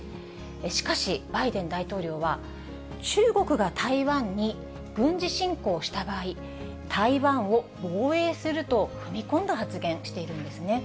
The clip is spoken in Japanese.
しかしバイデン大統領は、中国が台湾に軍事侵攻した場合、台湾を防衛すると踏み込んだ発言しているんですね。